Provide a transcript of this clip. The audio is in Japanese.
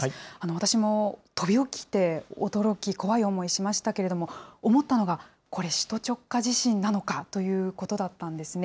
私も飛び起きて、驚き、怖い思いしましたけれども、思ったのが、これ、首都直下地震なのかということだったんですね。